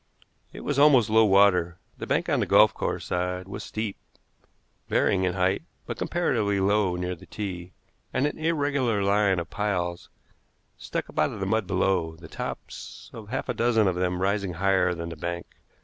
It was almost low water. The bank on the golf course side was steep, varying in height, but comparatively low near the tee, and an irregular line of piles stuck up out of the mud below, the tops of half a dozen of them rising higher than the bank.